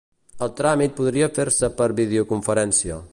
El tràmit podria fer-se per videoconferència.